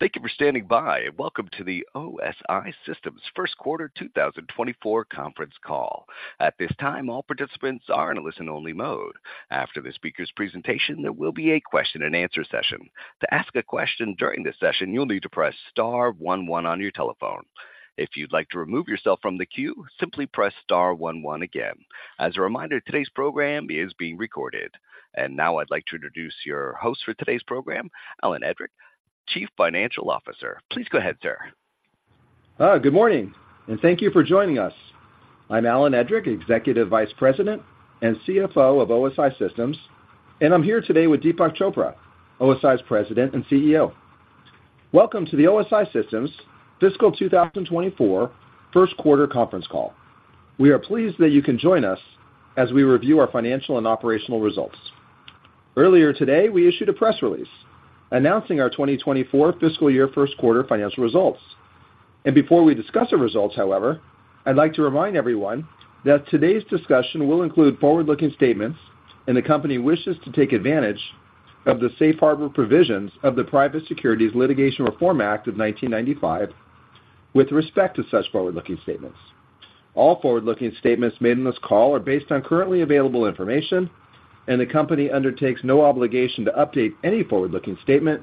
Thank you for standing by, and welcome to the OSI Systems' Q1 2024 conference call. At this time, all participants are in a listen-only mode. After the speaker's presentation, there will be a question and answer session. To ask a question during this session, you'll need to press star one one on your telephone. If you'd like to remove yourself from the queue, simply press star one one again. As a reminder, today's program is being recorded. And now I'd like to introduce your host for today's program, Alan Edrick, Chief Financial Officer. Please go ahead, sir. Good morning, and thank you for joining us. I'm Alan Edrick, Executive Vice President and CFO of OSI Systems, and I'm here today with Deepak Chopra, OSI's President and CEO. Welcome to the OSI Systems Fiscal 2024 Q1 conference call. We are pleased that you can join us as we review our financial and operational results. Earlier today, we issued a press release announcing our 2024 fiscal year Q1 financial results. Before we discuss the results, however, I'd like to remind everyone that today's discussion will include forward-looking statements, and the company wishes to take advantage of the Safe Harbor provisions of the Private Securities Litigation Reform Act of 1995, with respect to such forward-looking statements. All forward-looking statements made in this call are based on currently available information, and the company undertakes no obligation to update any forward-looking statement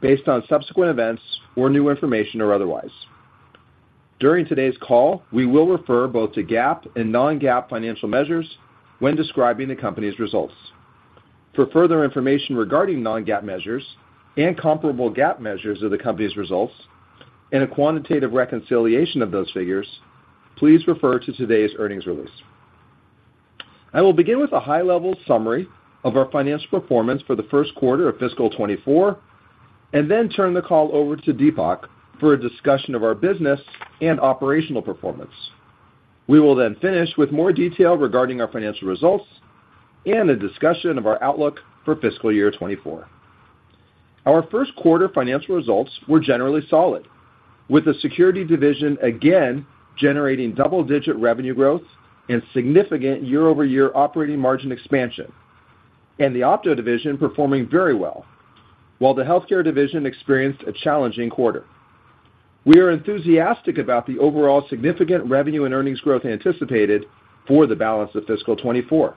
based on subsequent events or new information or otherwise. During today's call, we will refer both to GAAP and non-GAAP financial measures when describing the company's results. For further information regarding non-GAAP measures and comparable GAAP measures of the company's results and a quantitative reconciliation of those figures, please refer to today's earnings release. I will begin with a high-level summary of our financial performance for the Q1 of fiscal 2024, and then turn the call over to Deepak for a discussion of our business and operational performance. We will then finish with more detail regarding our financial results and a discussion of our outlook for fiscal year 2024. Our Q1 financial results were generally solid, with the Security division again generating double-digit revenue growth and significant year-over-year operating margin expansion, and the Opto division performing very well, while the Healthcare division experienced a challenging quarter. We are enthusiastic about the overall significant revenue and earnings growth anticipated for the balance of fiscal 2024.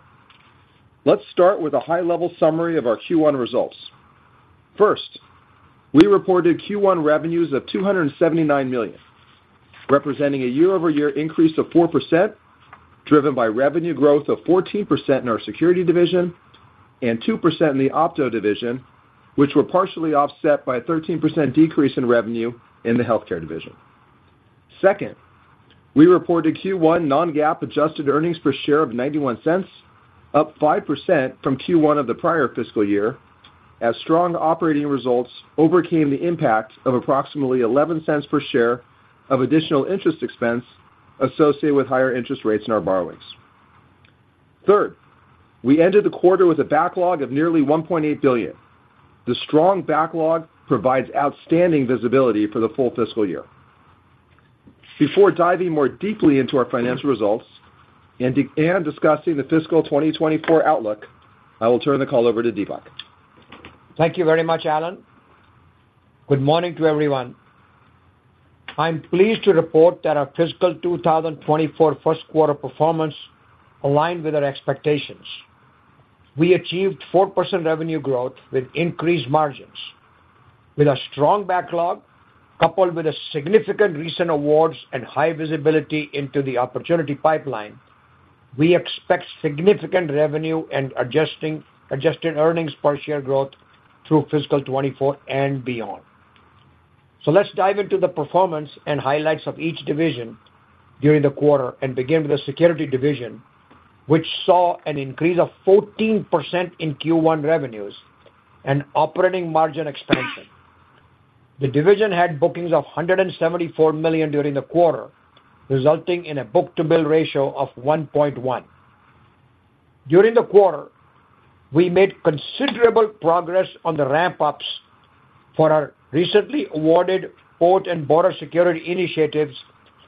Let's start with a high-level summary of our Q1 results. First, we reported Q1 revenues of $279 million, representing a year-over-year increase of 4%, driven by revenue growth of 14% in our Security division and 2% in the Opto division, which were partially offset by a 13% decrease in revenue in the Healthcare division. Second, we reported Q1 Non-GAAP adjusted earnings per share of $0.91, up 5% from Q1 of the prior fiscal year, as strong operating results overcame the impact of approximately $0.11 per share of additional interest expense associated with higher interest rates in our borrowings. Third, we ended the quarter with a backlog of nearly $1.8 billion. The strong backlog provides outstanding visibility for the full fiscal year. Before diving more deeply into our financial results and discussing the fiscal 2024 outlook, I will turn the call over to Deepak. Thank you very much, Alan. Good morning to everyone. I'm pleased to report that our fiscal 2024 Q1 performance aligned with our expectations. We achieved 4% revenue growth with increased margins. With a strong backlog, coupled with a significant recent awards and high visibility into the opportunity pipeline, we expect significant revenue and adjusting, adjusted earnings per share growth through fiscal 2024 and beyond. So let's dive into the performance and highlights of each division during the quarter and begin with the Security division, which saw an increase of 14% in Q1 revenues and operating margin expansion. The division had bookings of $174 million during the quarter, resulting in a book-to-bill ratio of 1.1. During the quarter, we made considerable progress on the ramp-ups for our recently awarded Port and Border Security initiatives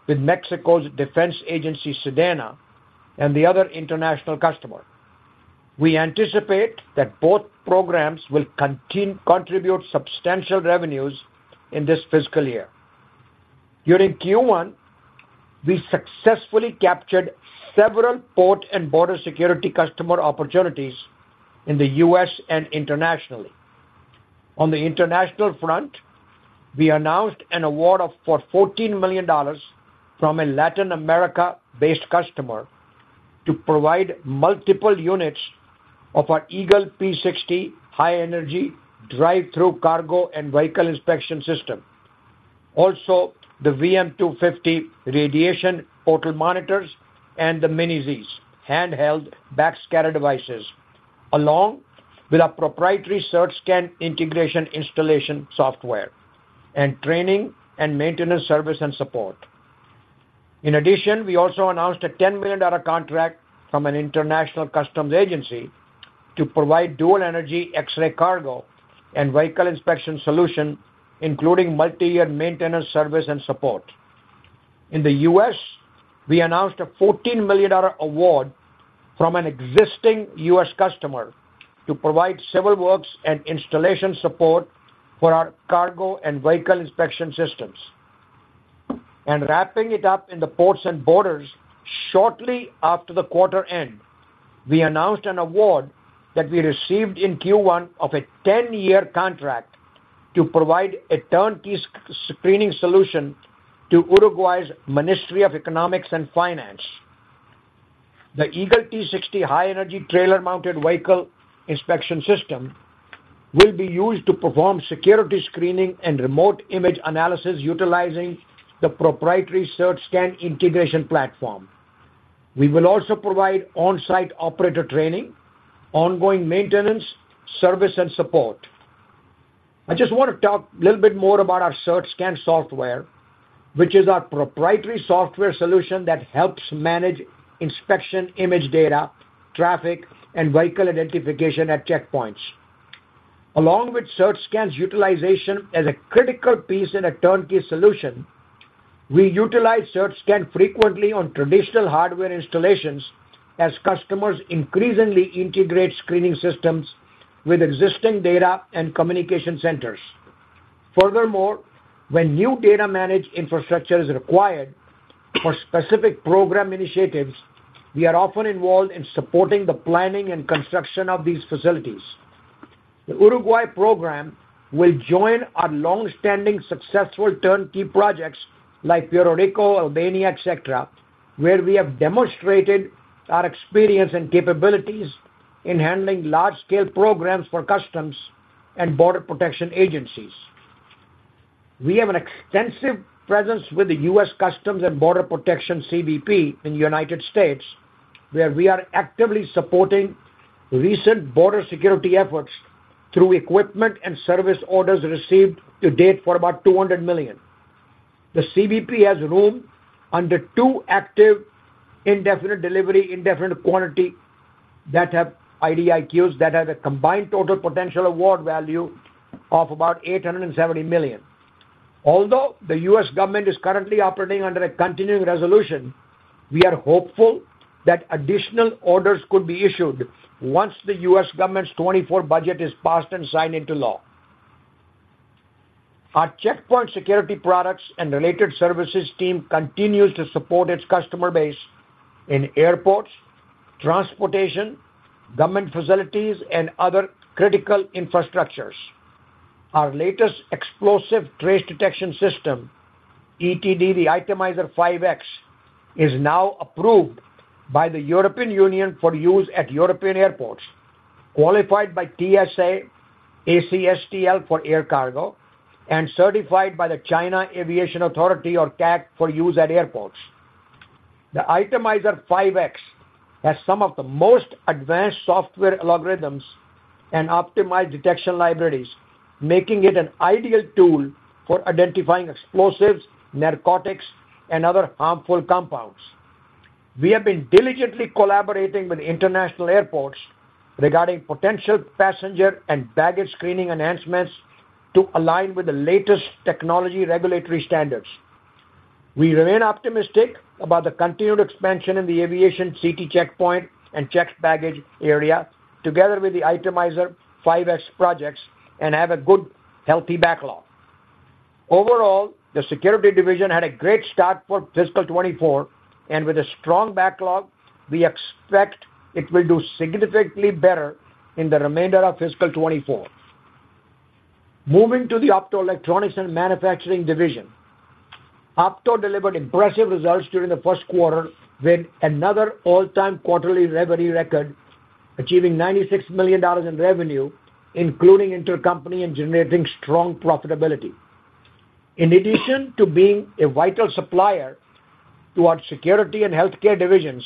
with Mexico's defense agency, SEDENA, and the other international customer. We anticipate that both programs will contribute substantial revenues in this fiscal year. During Q1, we successfully captured several Port and Border Security customer opportunities in the U.S. and internationally. On the international front, we announced an award of $14 million from a Latin America-based customer to provide multiple units of our Eagle P60 high energy drive-through cargo and vehicle inspection system. Also, the VM250 radiation portal monitors and the MINI Zs, handheld backscatter devices, along with our proprietary CertScan integration installation software and training and maintenance service and support. In addition, we also announced a $10 million contract from an international customs agency to provide dual energy X-ray cargo and vehicle inspection solution, including multi-year maintenance service and support. In the U.S., we announced a $14 million award from an existing U.S. customer to provide civil works and installation support for our cargo and vehicle inspection systems. Wrapping it up in the ports and borders, shortly after the quarter end, we announced an award that we received in Q1 of a 10-year contract to provide a turnkey screening solution to Uruguay's Ministry of Economy and Finance. The Eagle T60 high-energy trailer-mounted vehicle inspection system will be used to perform security screening and remote image analysis utilizing the proprietary CertScan integration platform. We will also provide on-site operator training, ongoing maintenance, service, and support. I just want to talk a little bit more about our CertScan software, which is our proprietary software solution that helps manage inspection, image data, traffic, and vehicle identification at checkpoints. Along with CertScan's utilization as a critical piece in a turnkey solution, we utilize CertScan frequently on traditional hardware installations as customers increasingly integrate screening systems with existing data and communication centers. Furthermore, when new data managed infrastructure is required for specific program initiatives, we are often involved in supporting the planning and construction of these facilities. The Uruguay program will join our long-standing, successful turnkey projects like Puerto Rico, Albania, et cetera, where we have demonstrated our experience and capabilities in handling large-scale programs for customs and border protection agencies. We have an extensive presence with the U.S. Customs and Border Protection, CBP, in the United States, where we are actively supporting recent border security efforts through equipment and service orders received to date for about $200 million. The CBP has room under two active indefinite delivery, indefinite quantity that have IDIQs, that have a combined total potential award value of about $870 million. Although the U.S. government is currently operating under a continuing resolution, we are hopeful that additional orders could be issued once the U.S. government's 2024 budget is passed and signed into law. Our checkpoint security products and related services team continues to support its customer base in airports, transportation, government facilities, and other critical infrastructures. Our latest explosive trace detection system, ETD, the Itemizer 5X, is now approved by the European Union for use at European airports, qualified by TSA, ACSTL for air cargo, and certified by the China Aviation Authority or CAAC, for use at airports. The Itemizer 5X has some of the most advanced software algorithms and optimized detection libraries, making it an ideal tool for identifying explosives, narcotics, and other harmful compounds. We have been diligently collaborating with international airports regarding potential passenger and baggage screening enhancements to align with the latest technology regulatory standards. We remain optimistic about the continued expansion in the aviation CT checkpoint and checked baggage area, together with the Itemizer 5X projects, and have a good, healthy backlog. Overall, the security division had a great start for fiscal 2024, and with a strong backlog, we expect it will do significantly better in the remainder of fiscal 2024. Moving to the Optoelectronics and Manufacturing Division. Opto delivered impressive results during the Q1 with another all-time quarterly revenue record, achieving $96 million in revenue, including intercompany, and generating strong profitability. In addition to being a vital supplier to our security and healthcare divisions,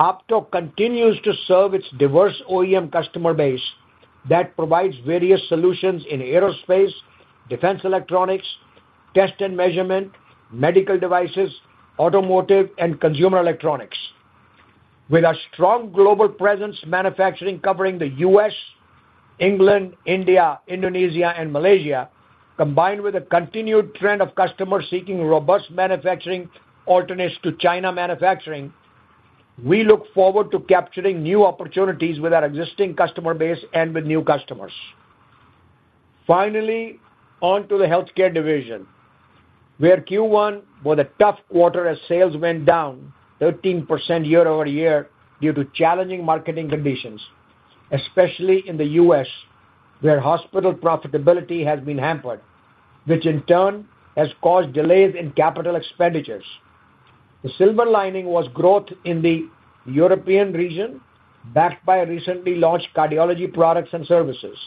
Opto continues to serve its diverse OEM customer base that provides various solutions in aerospace, defense electronics, test and measurement, medical devices, automotive, and consumer electronics. With our strong global presence, manufacturing covering the U.S., England, India, Indonesia, and Malaysia, combined with a continued trend of customers seeking robust manufacturing alternatives to China manufacturing, we look forward to capturing new opportunities with our existing customer base and with new customers. Finally, on to the Healthcare division, where Q1 was a tough quarter as sales went down 13% year-over-year due to challenging marketing conditions, especially in the U.S., where hospital profitability has been hampered, which in turn has caused delays in capital expenditures. The silver lining was growth in the European region, backed by recently launched cardiology products and services.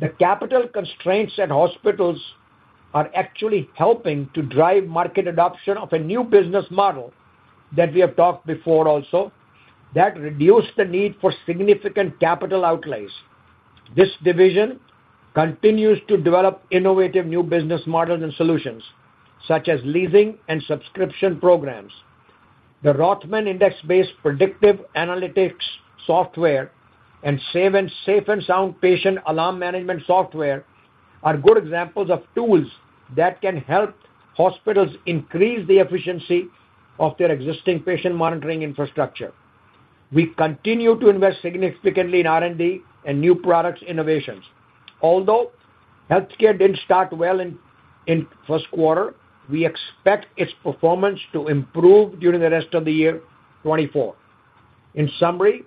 The capital constraints at hospitals are actually helping to drive market adoption of a new business model, that we have talked before also, that reduce the need for significant capital outlays. This division continues to develop innovative new business models and solutions, such as leasing and subscription programs. The Rothman Index-based predictive analytics software and SafeNSound patient alarm management software are good examples of tools that can help hospitals increase the efficiency of their existing patient monitoring infrastructure. We continue to invest significantly in R&D and new products innovations. Although healthcare didn't start well in Q1, we expect its performance to improve during the rest of the year 2024. In summary,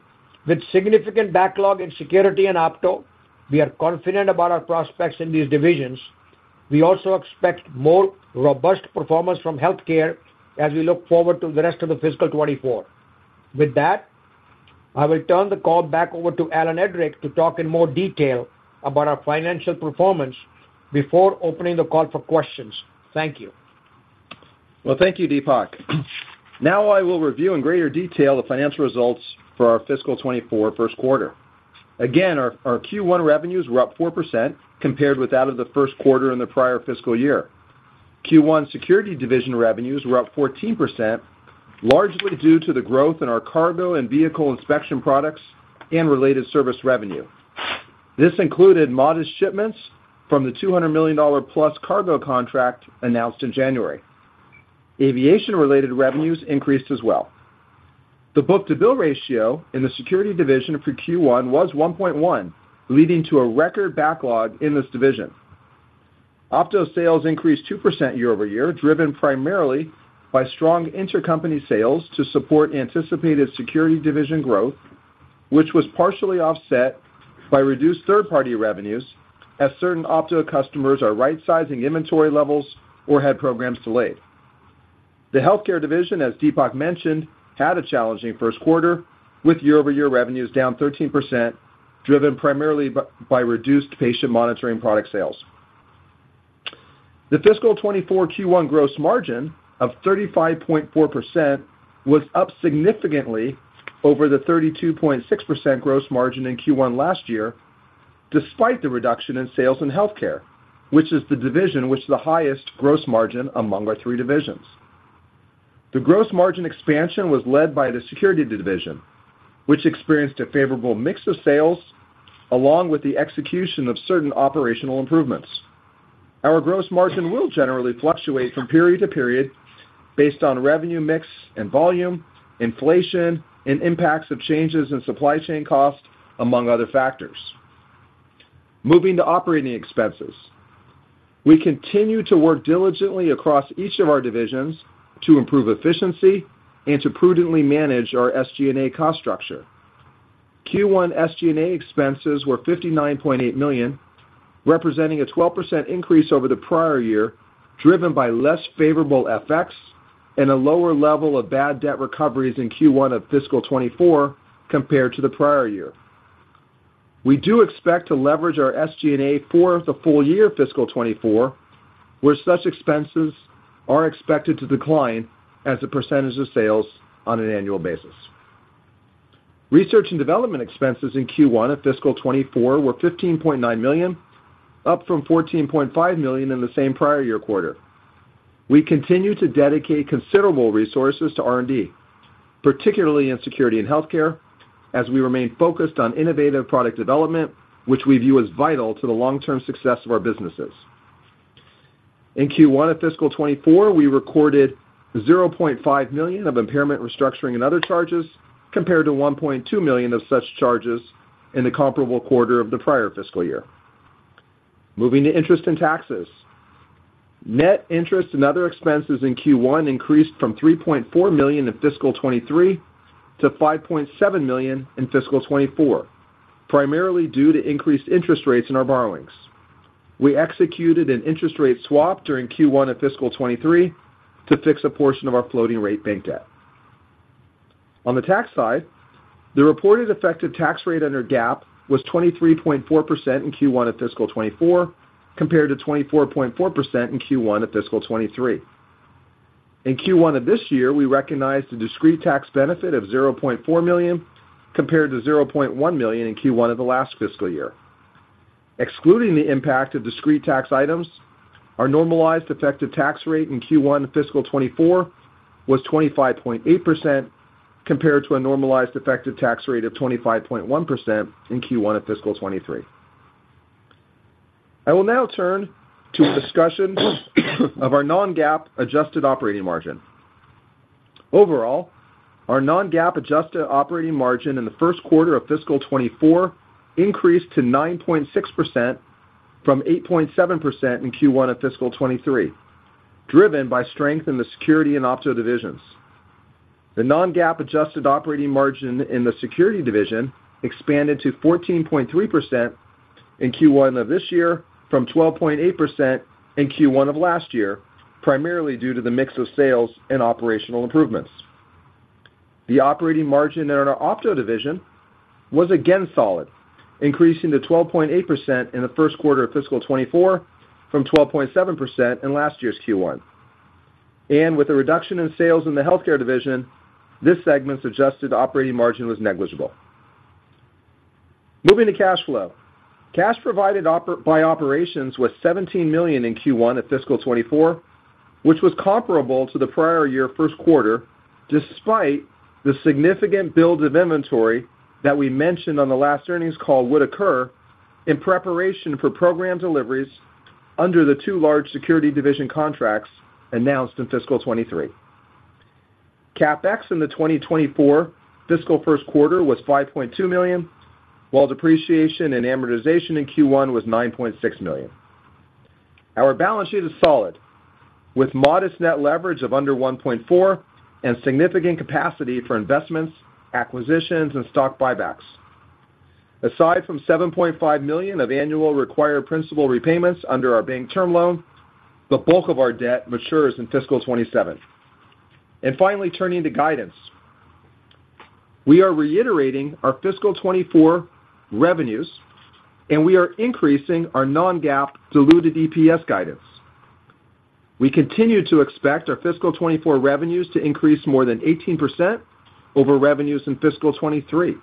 with significant backlog in security and Opto, we are confident about our prospects in these divisions. We also expect more robust performance from healthcare as we look forward to the rest of the fiscal 2024. With that, I will turn the call back over to Alan Edrick to talk in more detail about our financial performance before opening the call for questions. Thank you. Well, thank you, Deepak. Now I will review in greater detail the financial results for our fiscal 2024 Q1. Again, our Q1 revenues were up 4% compared with that of the Q1 in the prior fiscal year. Q1 security division revenues were up 14%, largely due to the growth in our cargo and vehicle inspection products and related service revenue. This included modest shipments from the $200 million-plus cargo contract announced in January. Aviation-related revenues increased as well. The book-to-bill ratio in the security division for Q1 was 1.1, leading to a record backlog in this division. Opto sales increased 2% year-over-year, driven primarily by strong intercompany sales to support anticipated security division growth, which was partially offset by reduced third-party revenues as certain Opto customers are rightsizing inventory levels or had programs delayed. The Healthcare division, as Deepak mentioned, had a challenging Q1, with year-over-year revenues down 13%, driven primarily by reduced patient monitoring product sales. The fiscal 2024 Q1 gross margin of 35.4% was up significantly over the 32.6% gross margin in Q1 last year, despite the reduction in sales in Healthcare, which is the division with the highest gross margin among our three divisions. The gross margin expansion was led by the Security division, which experienced a favorable mix of sales, along with the execution of certain operational improvements. Our gross margin will generally fluctuate from period to period based on revenue, mix and volume, inflation, and impacts of changes in supply chain cost, among other factors. Moving to operating expenses. We continue to work diligently across each of our divisions to improve efficiency and to prudently manage our SG&A cost structure. Q1 SG&A expenses were $59.8 million, representing a 12% increase over the prior year, driven by less favorable FX and a lower level of bad debt recoveries in Q1 of fiscal 2024 compared to the prior year. We do expect to leverage our SG&A for the full year of fiscal 2024, where such expenses are expected to decline as a percentage of sales on an annual basis. Research and development expenses in Q1 of fiscal 2024 were $15.9 million, up from $14.5 million in the same prior year quarter. We continue to dedicate considerable resources to R&D, particularly in security and healthcare, as we remain focused on innovative product development, which we view as vital to the long-term success of our businesses. In Q1 of fiscal 2024, we recorded $0.5 million of impairment, restructuring, and other charges, compared to $1.2 million of such charges in the comparable quarter of the prior fiscal year. Moving to interest and taxes. Net interest and other expenses in Q1 increased from $3.4 million in fiscal 2023 to $5.7 million in fiscal 2024, primarily due to increased interest rates in our borrowings. We executed an interest rate swap during Q1 of fiscal 2023 to fix a portion of our floating rate bank debt. On the tax side, the reported effective tax rate under GAAP was 23.4% in Q1 of fiscal 2024, compared to 24.4% in Q1 of fiscal 2023. In Q1 of this year, we recognized a discrete tax benefit of $0.4 million, compared to $0.1 million in Q1 of the last fiscal year. Excluding the impact of discrete tax items, our normalized effective tax rate in Q1 of fiscal 2024 was 25.8%, compared to a normalized effective tax rate of 25.1% in Q1 of fiscal 2023. I will now turn to a discussion of our non-GAAP adjusted operating margin. Overall, our non-GAAP adjusted operating margin in the Q1 of fiscal 2024 increased to 9.6% from 8.7% in Q1 of fiscal 2023, driven by strength in the security and Opto divisions. The non-GAAP adjusted operating margin in the Security division expanded to 14.3% in Q1 of this year from 12.8% in Q1 of last year, primarily due to the mix of sales and operational improvements. The operating margin in our Opto division was again solid, increasing to 12.8% in the Q1 of fiscal 2024 from 12.7% in last year's Q1. And with a reduction in sales in the Healthcare division, this segment's adjusted operating margin was negligible. Moving to cash flow. Cash provided by operations was $17 million in Q1 of fiscal 2024, which was comparable to the prior year Q1, despite the significant build of inventory that we mentioned on the last earnings call would occur in preparation for program deliveries under the two large Security division contracts announced in fiscal 2023. CapEx in the 2024 fiscal Q1 was $5.2 million, while depreciation and amortization in Q1 was $9.6 million. Our balance sheet is solid, with modest net leverage of under 1.4 and significant capacity for investments, acquisitions, and stock buybacks. Aside from $7.5 million of annual required principal repayments under our bank term loan, the bulk of our debt matures in fiscal 2027. Finally, turning to guidance. We are reiterating our fiscal 2024 revenues, and we are increasing our non-GAAP diluted EPS guidance. We continue to expect our fiscal 2024 revenues to increase more than 18% over revenues in fiscal 2023.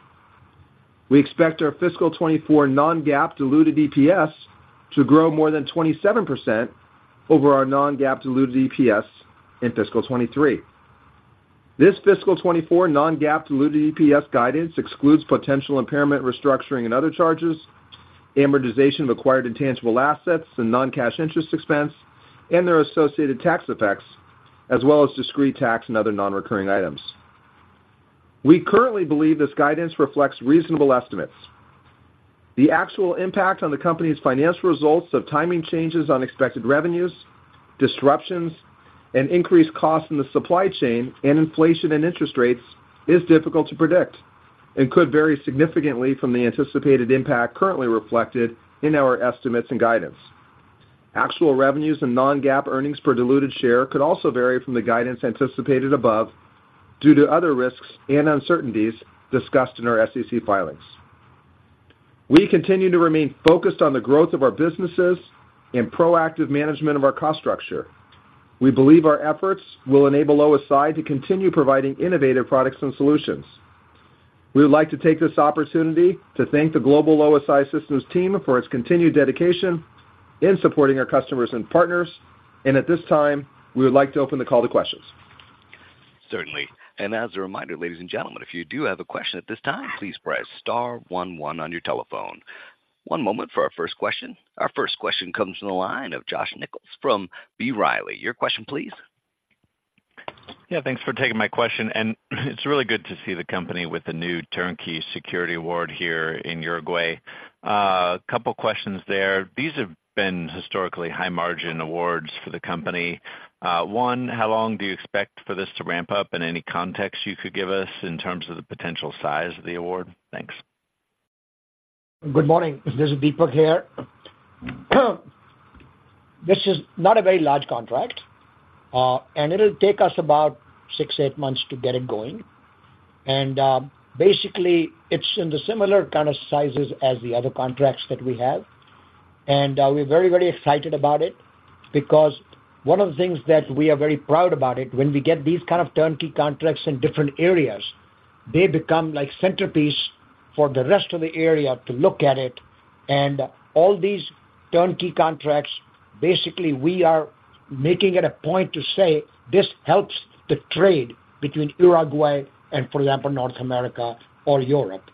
We expect our fiscal 2024 non-GAAP diluted EPS to grow more than 27% over our non-GAAP diluted EPS in fiscal 2023. This fiscal 2024 non-GAAP diluted EPS guidance excludes potential impairment, restructuring, and other charges, amortization of acquired intangible assets and non-cash interest expense and their associated tax effects, as well as discrete tax and other non-recurring items. We currently believe this guidance reflects reasonable estimates. The actual impact on the company's financial results of timing changes on expected revenues, disruptions and increased costs in the supply chain and inflation and interest rates is difficult to predict and could vary significantly from the anticipated impact currently reflected in our estimates and guidance. Actual revenues and non-GAAP earnings per diluted share could also vary from the guidance anticipated above due to other risks and uncertainties discussed in our SEC filings. We continue to remain focused on the growth of our businesses and proactive management of our cost structure. We believe our efforts will enable OSI to continue providing innovative products and solutions. We would like to take this opportunity to thank the global OSI Systems team for its continued dedication in supporting our customers and partners. At this time, we would like to open the call to questions. Certainly. As a reminder, ladies and gentlemen, if you do have a question at this time, please press star one one on your telephone. One moment for our first question. Our first question comes from the line of Josh Nichols from B. Riley. Your question, please. Yeah, thanks for taking my question, and it's really good to see the company with the new turnkey security award here in Uruguay. Couple questions there. These have been historically high-margin awards for the company. One, how long do you expect for this to ramp up? And any context you could give us in terms of the potential size of the award? Thanks. Good morning. This is Deepak here. This is not a very large contract, and it'll take us about 6-8 months to get it going. And basically, it's in the similar kind of sizes as the other contracts that we have. And we're very, very excited about it because one of the things that we are very proud about it, when we get these kind of turnkey contracts in different areas, they become like centerpiece for the rest of the area to look at it. And all these turnkey contracts, basically, we are making it a point to say this helps the trade between Uruguay and, for example, North America or Europe.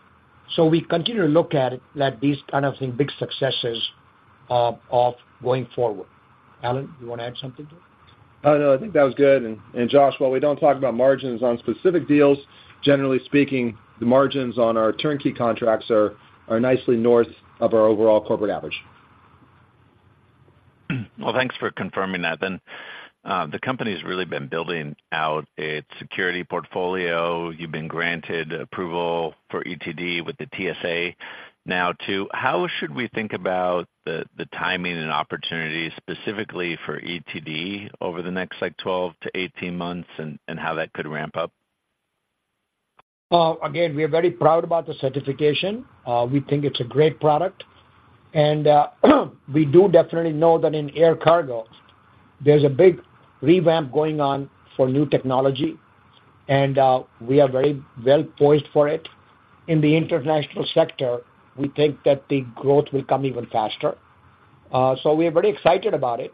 So we continue to look at it like these kind of, thing, big successes of going forward. Alan, you want to add something to it? Oh, no, I think that was good. And Josh, while we don't talk about margins on specific deals, generally speaking, the margins on our turnkey contracts are nicely north of our overall corporate average. Well, thanks for confirming that then. The company's really been building out its security portfolio. You've been granted approval for ETD with the TSA now, too. How should we think about the, the timing and opportunities specifically for ETD over the next, like, 12-18 months and, and how that could ramp up? Again, we are very proud about the certification. We think it's a great product, and we do definitely know that in air cargo, there's a big revamp going on for new technology, and we are very well poised for it. In the international sector, we think that the growth will come even faster. We are very excited about it.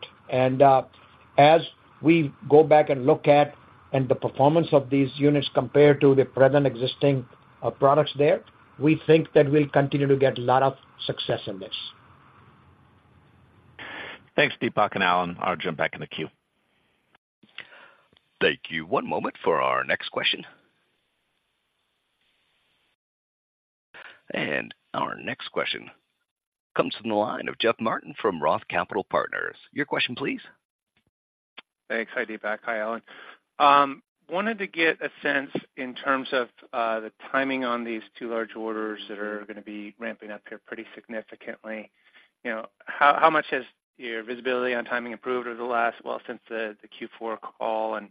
As we go back and look at the performance of these units compared to the present existing products there, we think that we'll continue to get a lot of success in this. Thanks, Deepak and Alan. I'll jump back in the queue. Thank you. One moment for our next question. Our next question comes from the line of Jeff Martin from Roth Capital Partners. Your question, please. Thanks. Hi, Deepak. Hi, Alan. Wanted to get a sense in terms of the timing on these two large orders that are gonna be ramping up here pretty significantly. You know, how, how much has your visibility on timing improved over the last. well, since the, the Q4 call? And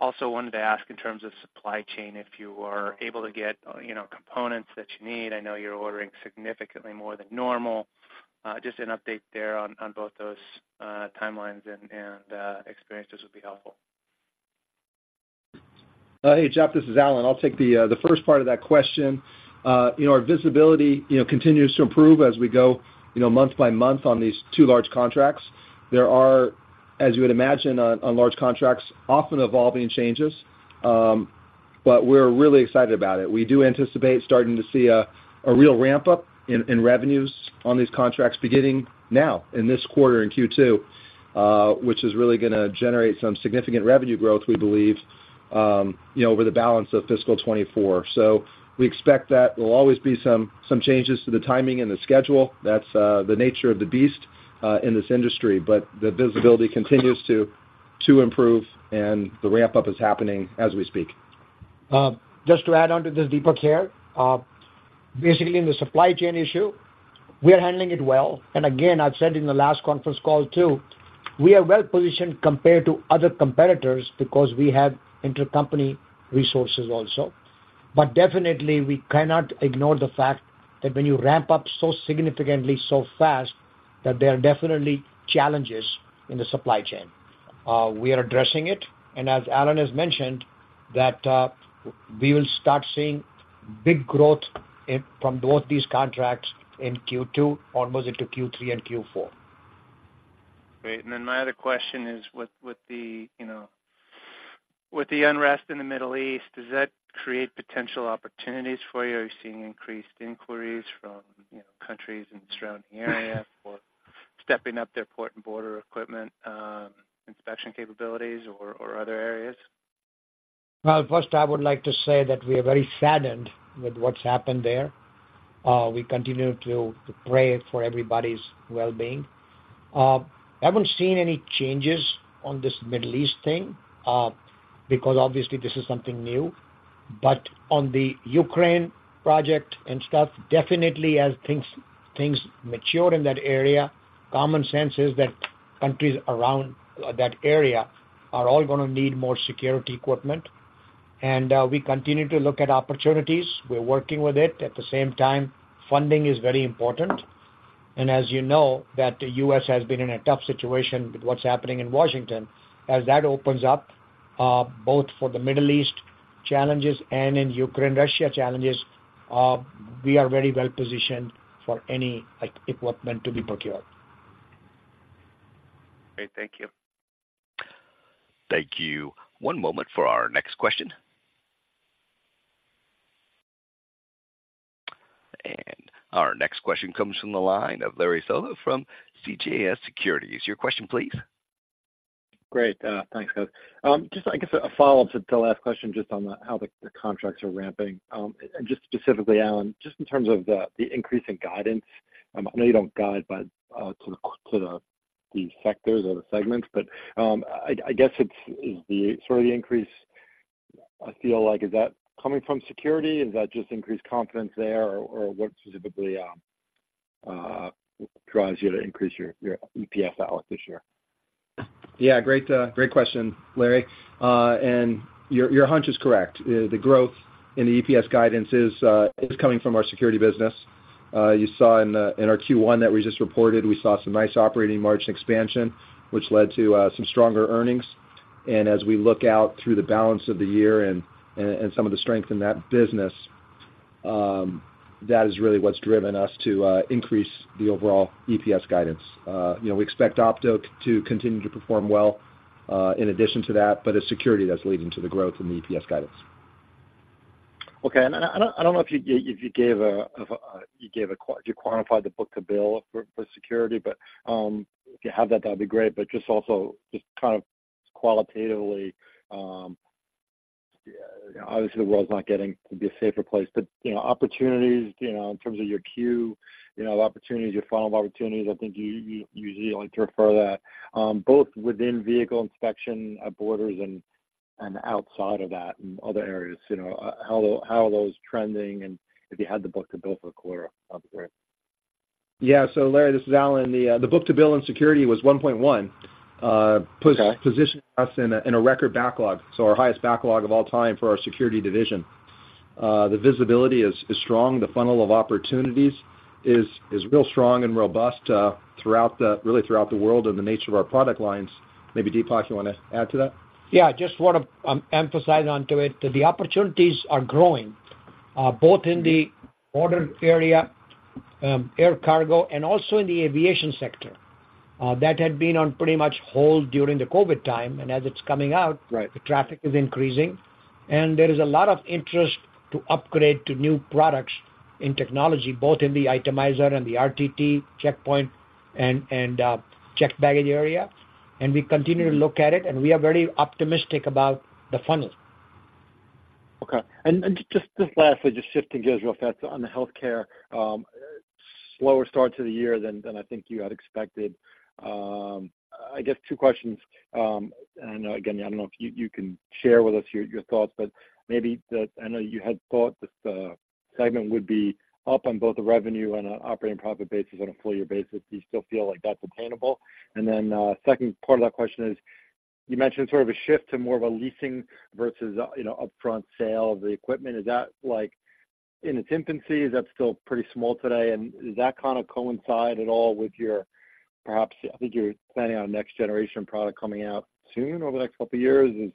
also wanted to ask in terms of supply chain, if you are able to get, you know, components that you need. I know you're ordering significantly more than normal. Just an update there on, on both those timelines and experiences would be helpful. Hey, Jeff, this is Alan. I'll take the first part of that question. You know, our visibility continues to improve as we go month by month on these two large contracts. There are, as you would imagine, on large contracts, often evolving changes, but we're really excited about it. We do anticipate starting to see a real ramp-up in revenues on these contracts beginning now in this quarter, in Q2, which is really gonna generate some significant revenue growth, we believe, you know, over the balance of fiscal 2024. So we expect that there will always be some changes to the timing and the schedule. That's the nature of the beast in this industry, but the visibility continues to improve, and the ramp-up is happening as we speak. Just to add on to this, Deepak here. Basically, in the supply chain issue, we are handling it well. I have said in the last conference call, too, we are well positioned compared to other competitors because we have intercompany resources also. Definitely, we cannot ignore the fact that when you ramp up so significantly, so fast, there are definitely challenges in the supply chain. We are addressing it, and as Alan has mentioned, we will start seeing big growth from both these contracts in Q2, almost into Q3 and Q4. Great. And then my other question is, with the, you know, with the unrest in the Middle East, does that create potential opportunities for you? Are you seeing increased inquiries from, you know, countries in the surrounding area for stepping up their port and border equipment, inspection capabilities or other areas? Well, first, I would like to say that we are very saddened with what's happened there. We continue to pray for everybody's well-being. Haven't seen any changes on this Middle East thing, because obviously this is something new. But on the Ukraine project and stuff, definitely as things mature in that area, common sense is that countries around that area are all gonna need more security equipment, and we continue to look at opportunities. We're working with it. At the same time, funding is very important. And as you know, the U.S. has been in a tough situation with what's happening in Washington. As that opens up, both for the Middle East challenges and in Ukraine, Russia challenges, we are very well positioned for any, like, equipment to be procured. Great, thank you. Thank you. One moment for our next question. Our next question comes from the line of Larry Solow from CJS Securities. Your question, please. Great, thanks, guys. Just, I guess, a follow-up to the last question, just on how the contracts are ramping. Just specifically, Alan, in terms of the increase in guidance, I know you don't guide to the sectors or the segments, but I guess, is the sort of the increase I feel like, is that coming from security? Is that just increased confidence there, or what specifically drives you to increase your EPS outlook this year? Yeah, great, great question, Larry. And your, your hunch is correct. The growth in the EPS guidance is coming from our security business. You saw in our Q1 that we just reported, we saw some nice operating margin expansion, which led to some stronger earnings. And as we look out through the balance of the year and some of the strength in that business, that is really what's driven us to increase the overall EPS guidance. You know, we expect Opto to continue to perform well in addition to that, but it's security that's leading to the growth in the EPS guidance. Okay. And I don't know if you quantified the book-to-bill for security, but if you have that, that'd be great, but just also just kind of qualitatively, obviously, the world's not getting to be a safer place, but you know, opportunities, you know, in terms of your queue, you know, the opportunities, your funnel of opportunities. I think you like to refer that both within vehicle inspection at borders and outside of that and other areas, you know, how are those trending? And if you had the book-to-bill for quarter, that'd be great. Yeah. So Larry, this is Alan. The Book-to-bill in Security was 1.1. Okay. Positioning us in a record backlog, so our highest backlog of all time for our Security division. The visibility is strong. The funnel of opportunities is real strong and robust, really throughout the world and the nature of our product lines. Maybe, Deepak, you wanna add to that? Yeah, I just want to emphasize onto it that the opportunities are growing, both in the order area, air cargo, and also in the aviation sector. That had been on pretty much hold during the COVID time, and as it's coming out- Right. The traffic is increasing, and there is a lot of interest to upgrade to new products in technology, both in the Itemizer and the RTT checkpoint and checked baggage area. We continue to look at it, and we are very optimistic about the funnel. Okay. And just lastly, just shifting gears real fast on the healthcare, slower start to the year than I think you had expected. I guess two questions. And again, I don't know if you can share with us your thoughts, but maybe the. I know you had thought this segment would be up on both the revenue and on operating profit basis on a full year basis. Do you still feel like that's attainable? And then second part of that question is, you mentioned sort of a shift to more of a leasing versus you know, upfront sale of the equipment. Is that in its infancy, is that still pretty small today? Does that kind of coincide at all with your perhaps, I think you're planning on next generation product coming out soon, over the next couple of years? Is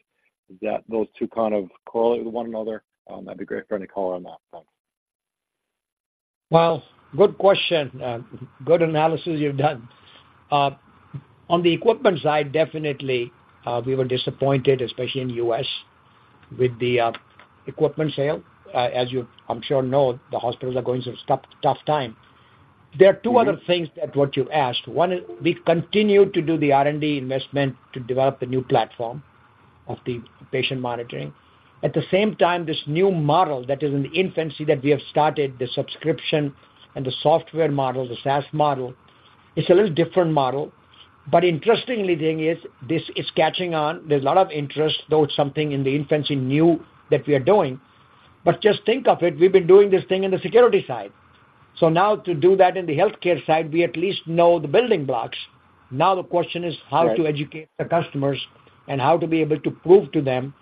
that, those two kind of correlate with one another? That'd be great for any color on that. Thanks. Well, good question. Good analysis you've done. On the equipment side, definitely, we were disappointed, especially in the U.S., with the equipment sale. As you I'm sure know, the hospitals are going through tough, tough time. There are two other things that what you asked. One is, we've continued to do the R&D investment to develop a new platform of the patient monitoring. At the same time, this new model that is in the infancy, that we have started, the subscription and the software model, the SaaS model, is a little different model. But interestingly, thing is, this is catching on. There's a lot of interest, though it's something in the infancy, new, that we are doing. But just think of it, we've been doing this thing in the security side. So now to do that in the Healthcare side, we at least know the building blocks. Now, the question is- Right How to educate the customers and how to be able to prove to them.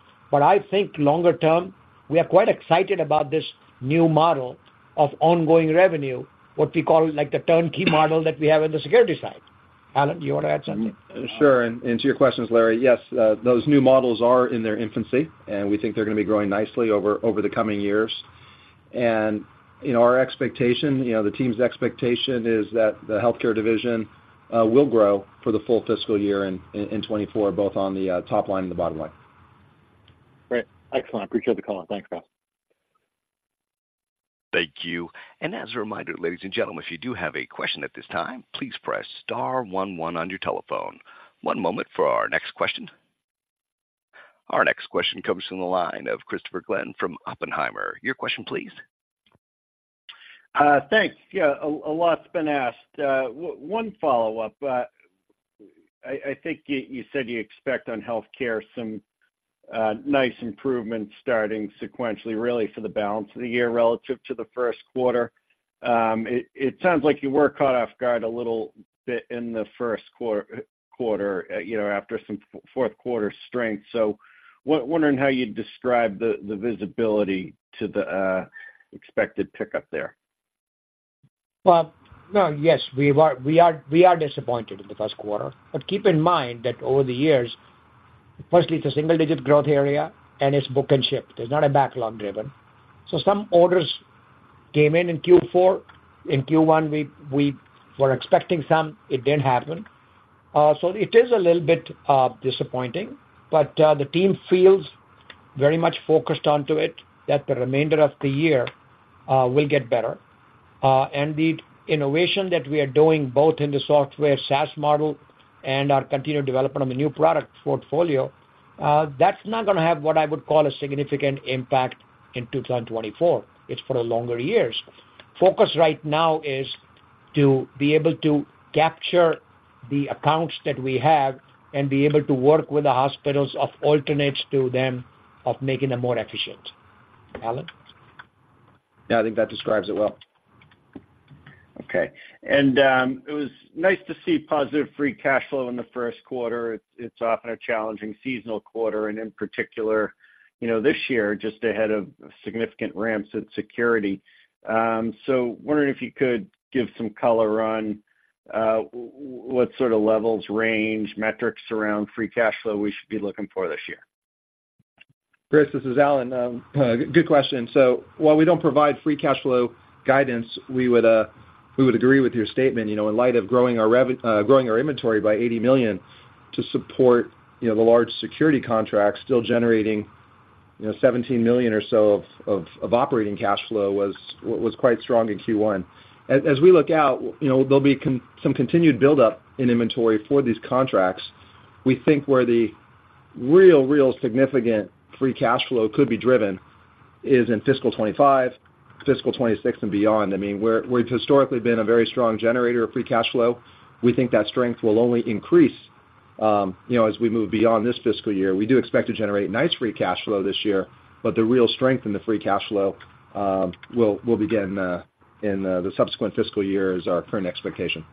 I think longer term, we are quite excited about this new model of ongoing revenue, what we call, like, the turnkey model that we have in the security side. Alan, do you want to add something? Sure, and to your questions, Larry, yes, those new models are in their infancy, and we think they're going to be growing nicely over the coming years. And, you know, our expectation, you know, the team's expectation is that the Healthcare division will grow for the full fiscal year in 2024, both on the top line and the bottom line. Great. Excellent. I appreciate the call. Thanks, guys. Thank you. And as a reminder, ladies and gentlemen, if you do have a question at this time, please press star one one on your telephone. One moment for our next question. Our next question comes from the line of Christopher Glynn from Oppenheimer. Your question, please. Thanks. Yeah, a lot's been asked. One follow-up. I think you said you expect on Healthcare some nice improvements starting sequentially, really for the balance of the year relative to the Q1. It sounds like you were caught off guard a little bit in the Q1, you know, after some fourth quarter strength. So wondering how you'd describe the visibility to the expected pickup there. Well, no, yes, we are, we are, we are disappointed in the Q1, but keep in mind that over the years, firstly, it's a single-digit growth area, and it's book and ship. It's not backlog driven. Some orders came in in Q4. In Q1, we were expecting some, it didn't happen. It is a little bit disappointing, but the team feels very much focused onto it, that the remainder of the year will get better. The innovation that we are doing, both in the software SaaS model and our continued development of a new product portfolio, that's not going to have what I would call a significant impact in 2024. It's for the longer years. Focus right now is to be able to capture the accounts that we have and be able to work with the hospitals of alternates to them, of making them more efficient. Alan? Yeah, I think that describes it well. Okay. It was nice to see positive free cash flow in the Q1. It's often a challenging seasonal quarter, and in particular, you know, this year, just ahead of significant ramps in security. So wondering if you could give some color on what sort of levels, range, metrics around free cash flow we should be looking for this year. Chris, this is Alan. Good question. So while we don't provide free cash flow guidance, we would, we would agree with your statement. You know, in light of growing our rev, growing our inventory by $80 million to support, you know, the large security contract, still generating, you know, $17 million or so of operating cash flow was quite strong in Q1. As we look out, you know, there'll be some continued buildup in inventory for these contracts. We think where the real significant free cash flow could be driven is in fiscal 2025, fiscal 2026, and beyond. I mean, we're, we've historically been a very strong generator of free cash flow. We think that strength will only increase, you know, as we move beyond this fiscal year. We do expect to generate nice free cash flow this year, but the real strength in the free cash flow will begin in the subsequent fiscal year is our current expectation.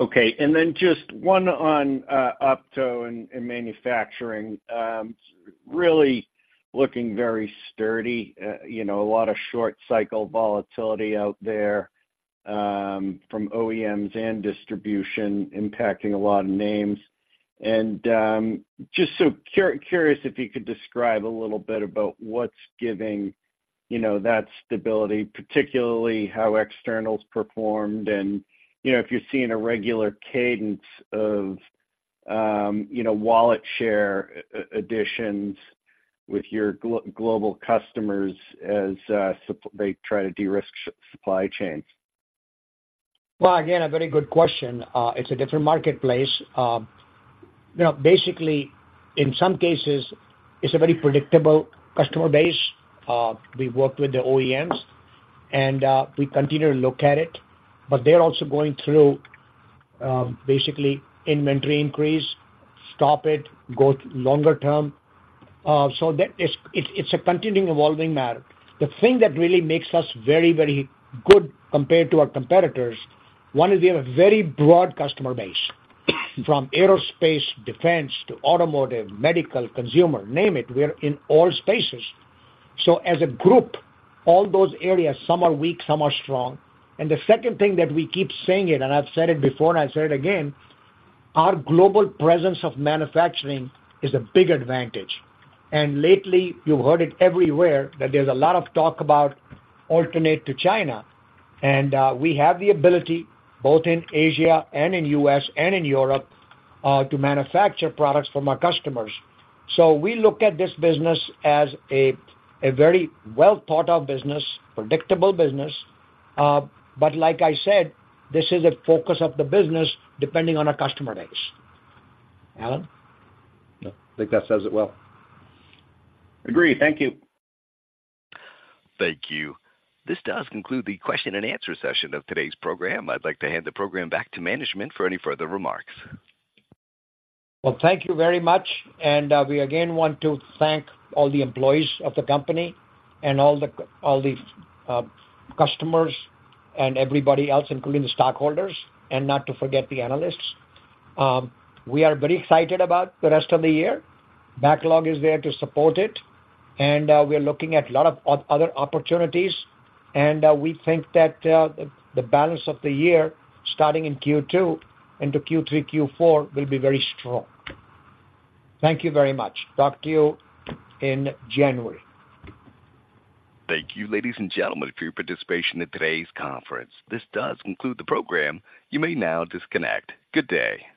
Okay, just one on Opto and manufacturing. Really looking very sturdy. You know, a lot of short cycle volatility out there, you know, from OEMs and distribution impacting a lot of names. Just curious if you could describe a little bit about what's giving, you know, that stability, particularly how externals performed and, you know, if you're seeing a regular cadence of, you know, wallet share additions with your global customers as they try to de-risk supply chains. Well, again, a very good question. It's a different marketplace. You know, basically, in some cases it's a very predictable customer base. We worked with the OEMs, and we continue to look at it, but they're also going through, basically inventory increase, go longer term. So that it's, it's a continuing evolving matter. The thing that really makes us very, very good compared to our competitors, one is we have a very broad customer base, from aerospace, defense, to automotive, medical, consumer, name it, we're in all spaces. So as a group, all those areas, some are weak, some are strong. And the second thing that we keep saying it, and I've said it before, and I'll say it again, our global presence of manufacturing is a big advantage. And lately, you've heard it everywhere, that there's a lot of talk about alternative to China, and we have the ability, both in Asia and in U.S. and in Europe, to manufacture products for our customers. So we look at this business as a very well-thought-out business, predictable business. But like I said, this is a focus of the business, depending on our customer base. Alan? Yeah. I think that says it well. Agree. Thank you. Thank you. This does conclude the question and answer session of today's program. I'd like to hand the program back to management for any further remarks. Well, thank you very much, and we again want to thank all the employees of the company and all the customers and everybody else, including the stockholders, and not to forget the analysts. We are very excited about the rest of the year. Backlog is there to support it, and we are looking at a lot of other opportunities, and we think that the balance of the year, starting in Q2 into Q3, Q4, will be very strong. Thank you very much. Talk to you in January. Thank you, ladies and gentlemen, for your participation in today's conference. This does conclude the program. You may now disconnect. Good day!